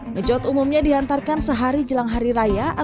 ngejot umumnya diantarkan sehari jelang hari raya